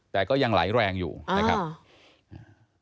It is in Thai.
แต่ก็ยังไหลแรงอยู่นะครับ